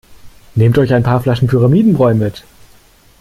Nehmt euch ein paar Flaschen Pyramidenbräu mit!